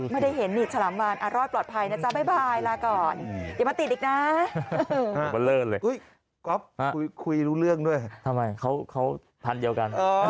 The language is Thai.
ไม่ได้เห็นนี่ชลามวานอารอดปลอดภัยนะจ๊ะ